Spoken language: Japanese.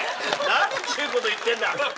何ちゅうこと言ってんだ。